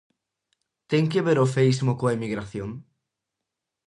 Ten que ver o feísmo coa emigración?